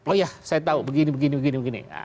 oh ya saya tahu begini begini